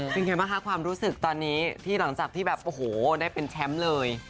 เป็นไงบ้างคะความรู้สึกตอนนี้ที่หลังจากที่แบบโอ้โหได้เป็นแชมป์เลย